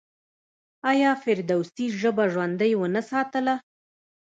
آیا فردوسي ژبه ژوندۍ ونه ساتله؟